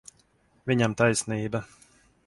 Viņam taisnība.